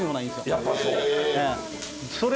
やっぱそう？